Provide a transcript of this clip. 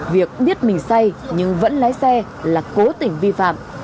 việc biết mình say nhưng vẫn lái xe là cố tình vi phạm